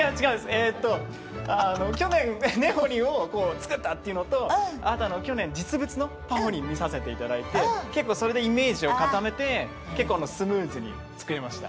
えとあの去年ねほりんをこう作ったっていうのとあとはあの去年実物のぱほりん見させていただいて結構それでイメージを固めて結構あのスムーズに作れました。